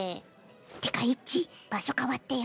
ってかイッチ場所変わってよ。